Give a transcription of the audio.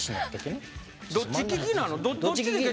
どっち利きなの？